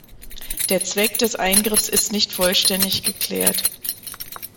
Der Zweck des Eingriffs ist nicht vollständig geklärt.